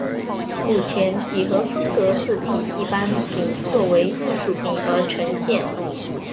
目前几何风格字体一般仅作为艺术品而呈现。